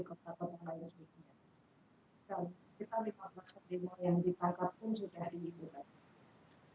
sekitar lima belas kbri yang dipangkat pun sudah dihidupkan